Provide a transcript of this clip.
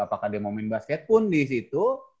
apakah dia mau main basket pun di situ